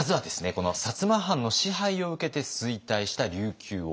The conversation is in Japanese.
この摩藩の支配を受けて衰退した琉球王国。